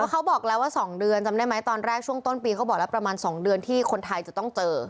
เขาบอกแล้วว่า๒เดือนจำได้ไหมตอนแรกช่วงต้นปีเขาบอกแล้วประมาณ๒เดือนที่คนไทยจะต้องเจอ